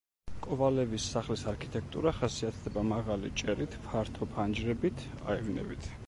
კოვალევის სახლის არქიტექტურა ხასიათდება მაღალი ჭერით, ფართო ფანჯრებით, აივნებით.